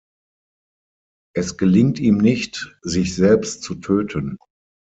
Es gelingt ihm nicht, sich selbst zu töten.